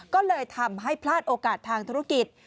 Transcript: ก็เลยทำให้พลาดโอกาสทางธุรกิจ